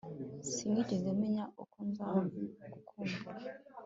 Sinigeze menya uko nzagukumbura